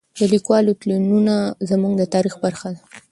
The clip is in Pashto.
د لیکوالو تلینونه زموږ د تاریخ برخه ده.